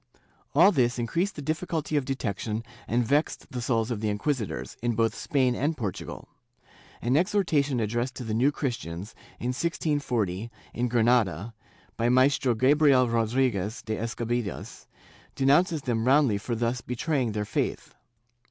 ^ All this increased the difficulty of detection and vexed the souls of the inquisitors, in both Spain and Portugal. An exhortation addressed to the New Christians, in 1640, in Granada, by Maestro Gabriel Rodriguez de Escabias, denounces them roundly for thus betraying their faith.